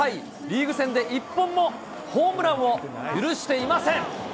リーグ戦で一本もホームランを許していません。